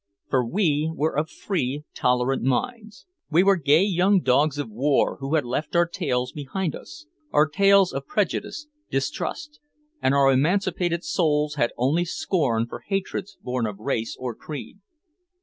For we were of free, tolerant minds. We were gay, young dogs of war who had left our tails behind us our tails of prejudice, distrust and our emancipated souls had only scorn for hatreds born of race or creed.